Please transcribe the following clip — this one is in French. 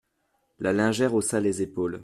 La lingère haussa les épaules.